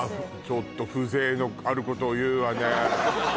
ちょっと風情のあることを言うわね